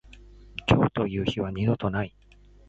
今日という日は二度とない。